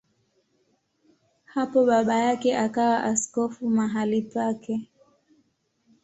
Hapo baba yake akawa askofu mahali pake.